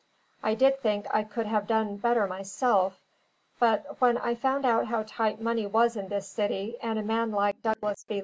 I did think I could have done better myself. But when I found how tight money was in this city, and a man like Douglas B.